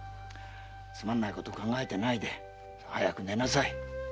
つまんないことを考えてないで早く寝なさい。